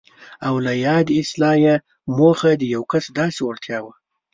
او له یادې اصطلاح یې موخه د یو کس داسې وړتیا وه.